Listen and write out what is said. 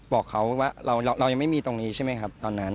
บอกเขาว่าเรายังไม่มีตรงนี้ใช่ไหมครับตอนนั้น